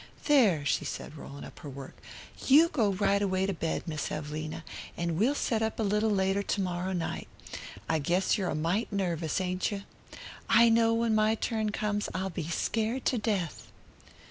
"There," she said, rolling up her work, "you go right away to bed, Miss Evelina, and we'll set up a little later to morrow night. I guess you're a mite nervous, ain't you? I know when my turn comes I'll be scared to death."